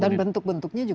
dan bentuk bentuknya juga